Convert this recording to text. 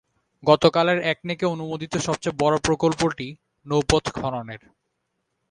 গতকালের একনেকে অনুমোদিত সবচেয়ে বড় প্রকল্পটি নৌপথ খননের।